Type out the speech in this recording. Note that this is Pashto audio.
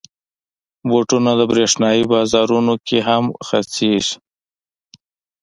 بوټونه د برېښنايي بازارونو کې هم خرڅېږي.